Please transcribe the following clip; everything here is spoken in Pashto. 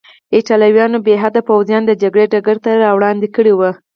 ایټالویانو بې حده پوځیان د جګړې ډګر ته راوړاندې کړي وو.